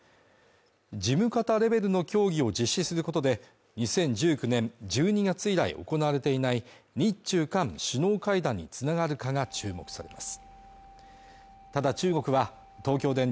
事務方レベルの協議を実施することで２０１９年１２月以来行われていない日中韓首脳会談につながるかが注目されます